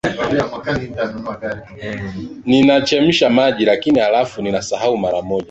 Ninachemsha maji, lakini halafu ninasahau mara moja.